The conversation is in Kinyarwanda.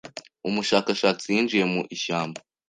Umushakashatsi yinjiye mu ishyamba